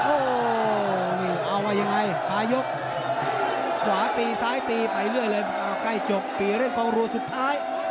โอ้โหนี่เอาว่ายังไงปลายกขวาตีซ้ายตีไปเรื่อยเลยเอาใกล้จบตีเร่งกองรัวสุดท้าย